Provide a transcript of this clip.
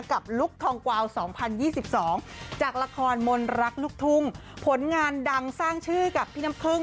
ลุคทองกวาว๒๐๒๒จากละครมนรักลูกทุ่งผลงานดังสร้างชื่อกับพี่น้ำพึ่ง